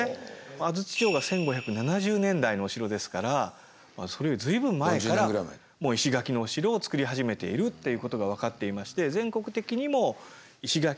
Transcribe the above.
安土城が１５７０年代のお城ですからそれより随分前から石垣のお城を造り始めているっていうことが分かっていまして。